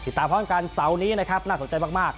ตามพร้อมกันเสาร์นี้นะครับน่าสนใจมาก